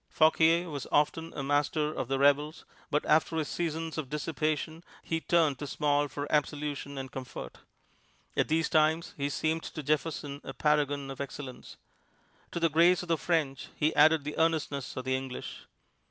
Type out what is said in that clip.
Fauquier was often a master of the revels, but after his seasons of dissipation he turned to Small for absolution and comfort. At these times he seemed to Jefferson a paragon of excellence. To the grace of the French he added the earnestness of the English.